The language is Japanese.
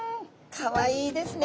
かわいいですね。